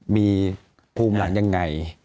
มีภูมิหลังยังไง